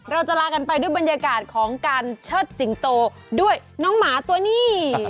เราจะลากันไปด้วยบรรยากาศของการเชิดสิงโตด้วยน้องหมาตัวนี้